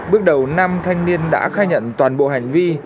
bước đầu năm thanh niên đã khai nhận toàn bộ hành vi